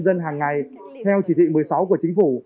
dân hàng ngày theo chỉ thị một mươi sáu của chính phủ